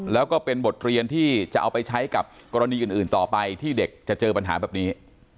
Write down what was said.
แล้วก็เป็นบทเรียนที่จะเอาไปใช้กับกรณีอื่นต่อไปที่เด็กจะเจอปัญหาแบบนี้